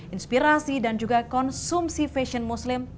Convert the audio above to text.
inspirasi dan juga konsumsi fashion muslim